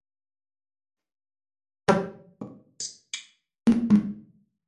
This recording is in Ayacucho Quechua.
Runapas uywakunapas iskay ñawiyuqmi.